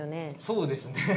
そうですね。